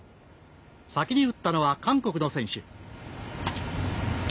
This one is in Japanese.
先に撃ったのは韓国の選手。